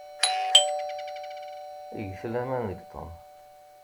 Get laman deg Tom.